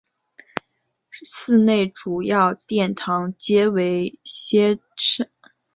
寺内主要殿堂皆为歇山黑琉璃筒瓦顶。